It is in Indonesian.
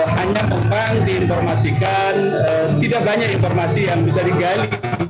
hanya memang diinformasikan tidak banyak informasi yang bisa digali